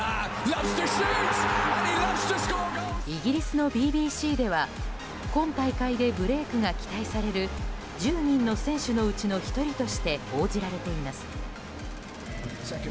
イギリスのＢＢＣでは今大会でブレークが期待される１０人の選手のうちの１人として報じられています。